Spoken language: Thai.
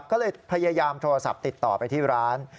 ก็เลยพยายามโทรศัพท์ติดต่อไปที่ร้าน